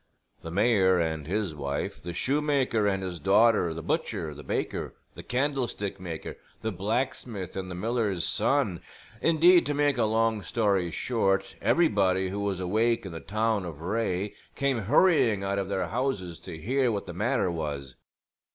The mayor and his wife, the shoemaker and his daughter, the butcher, the baker, the candlestick maker, the blacksmith and the miller's son indeed, to make a long story short, everybody who was awake in the town of Wraye came hurrying out of their houses to hear what the matter was.